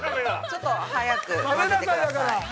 ◆ちょっと早く混ぜてください。